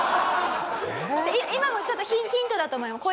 今のもちょっとヒントだと思います。